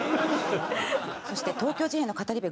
そして東京事変の語り部